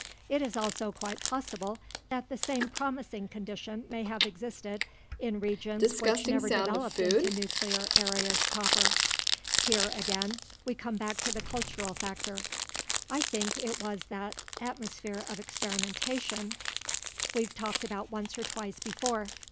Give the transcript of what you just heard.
It is also quite possible that the same promising condition may have existed in regions which never developed into nuclear areas proper. Here, again, we come back to the cultural factor. I think it was that "atmosphere of experimentation" we've talked about once or twice before.